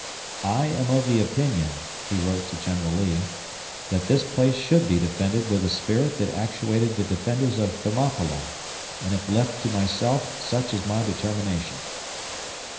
"I am of the opinion," he wrote to General Lee, "that this place should be defended with the spirit that actuated the defenders of Thermopylae and if left to myself such is my determination."